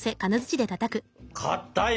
かったいね！